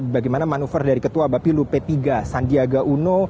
bagaimana manuver dari ketua bapilu p tiga sandiaga uno